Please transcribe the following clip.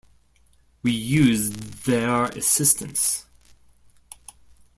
We used their assistance.